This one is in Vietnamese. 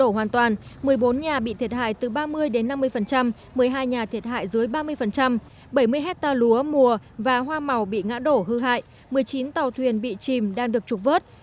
bảy mươi hectare lúa mùa và hoa màu bị ngã đổ hư hại một mươi chín tàu thuyền bị chìm đang được trục vớt